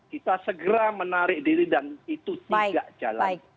kita segera menarik diri dan itu tidak jalan